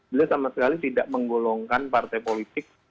beliau sama sekali tidak menggolongkan partai politik